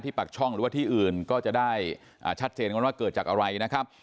ปากช่องหรือว่าที่อื่นก็จะได้ชัดเจนกันว่าเกิดจากอะไรนะครับ